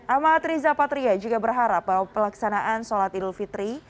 ahmad riza patria juga berharap bahwa pelaksanaan sholat idul fitri